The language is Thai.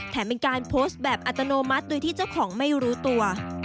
เป็นการโพสต์แบบอัตโนมัติโดยที่เจ้าของไม่รู้ตัว